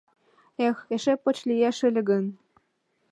Эх, эше поч лиеш ыле гын!